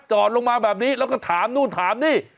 จอดลงมาแบบนี้แล้วก็ถามนู่นถามนี่